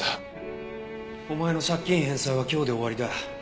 お前の借金返済は今日で終わりだ。